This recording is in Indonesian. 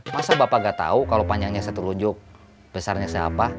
masa bapak gak tau kalau panjangnya satu telunjuk besarnya seapa